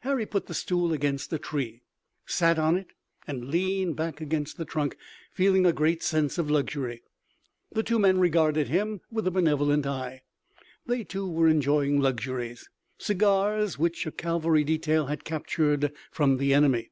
Harry put the stool against a tree, sat on it and leaned back against the trunk, feeling a great sense of luxury. The two men regarded him with a benevolent eye. They, too, were enjoying luxuries, cigars which a cavalry detail had captured from the enemy.